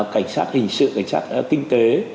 cảnh sát hình sự cảnh sát kinh tế